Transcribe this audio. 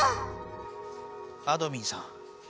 あどミンさん